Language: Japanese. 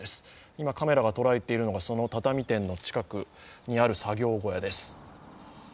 今カメラが捉えているのが、その畳店の近くにある作業小屋です。